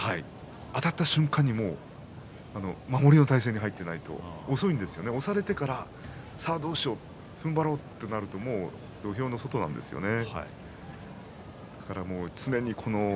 あたった瞬間に守りの体勢に入っていないと遅いですね、押されてからさあどうしようふんばろうとなっても土俵の外なんですよね。